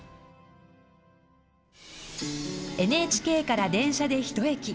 ＮＨＫから電車でひと駅。